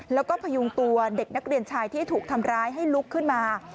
แล้วก็พยุงตัวเด็กนักเรียนชายที่ถูกทำร้ายให้ลุกขึ้นมา